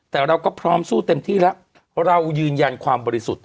แต่เราก็พร้อมสู้เต็มที่แล้วเรายืนยันความบริสุทธิ์